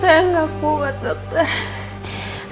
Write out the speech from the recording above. saya gak kuat dokter